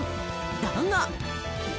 だが。